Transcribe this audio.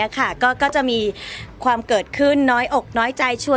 ก็จะมีความเกิดขึ้นน้อยอกน้อยใจชัวร์